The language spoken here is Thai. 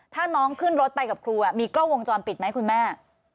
ถ้าน้องขึ้นรถไปกับครูมีกล้องวงจรปิดไหมคุณแม่